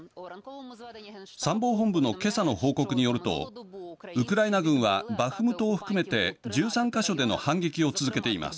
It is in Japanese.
参謀本部の今朝の報告によるとウクライナ軍はバフムトを含めて１３か所での反撃を続けています。